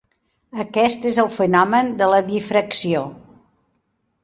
Aquest és el fenomen de la difracció.